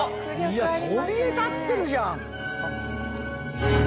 いやそびえ立ってるじゃん！